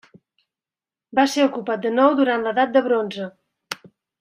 Va ser ocupat de nou durant l'edat de bronze.